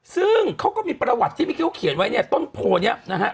ซึ่งเขาก็มีประวัติที่เมื่อกี้เขาเขียนไว้เนี่ยต้นโพนี้นะฮะ